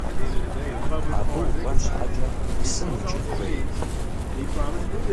Абы укӏуэн щхьэкӏэ псым уикӏын хуейт.